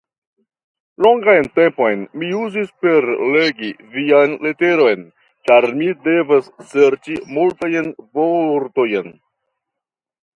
Longan tempon mi uzis por legi vian leteron, ĉar mi devas serĉi multajn vortojn.